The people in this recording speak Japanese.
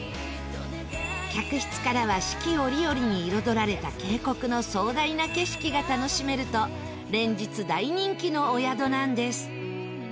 客室からは四季折々に彩られた渓谷の壮大な景色が楽しめると連日大人気のお宿なんです。